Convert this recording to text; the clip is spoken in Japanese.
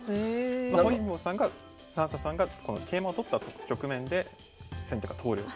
本因坊さんが算砂さんがこの桂馬を取った局面で先手が投了と。